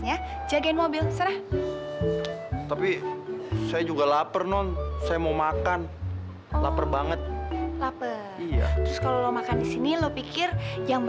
yang bayar makanan disini siapa